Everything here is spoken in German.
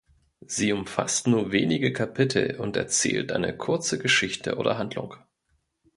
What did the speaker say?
Sie umfasst nur wenige Kapitel und erzählt eine kurze Geschichte oder Handlung.